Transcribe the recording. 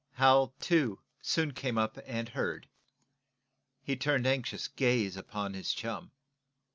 Hal, too, soon came up and heard. He turned anxious gaze upon his chum.